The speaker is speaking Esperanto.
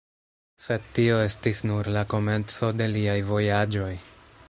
Sed tio estis nur la komenco de liaj vojaĝoj.